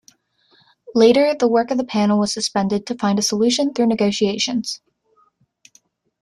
Later, the work of the panel was suspended to find a solution through negotiations.